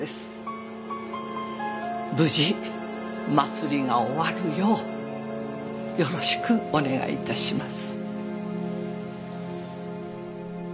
無事祭りが終わるようよろしくお願いいたします。